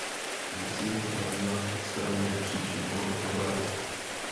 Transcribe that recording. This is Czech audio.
Musíme se zabývat odstraněním příčin tohoto problému.